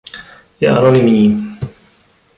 Je anonymní.